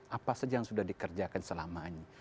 apa saja yang sudah dikerjakan selama ini